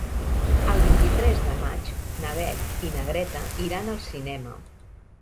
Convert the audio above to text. El vint-i-tres de maig na Beth i na Greta iran al cinema.